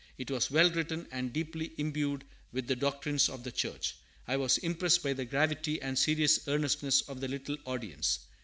It was well written and deeply imbued with the doctrines of the church. I was impressed by the gravity and serious earnestness of the little audience.